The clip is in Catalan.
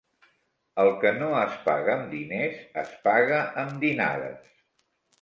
El que no es paga amb diners, es paga amb dinades.